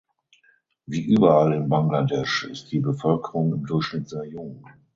Wie überall in Bangladesch ist die Bevölkerung im Durchschnitt sehr jung.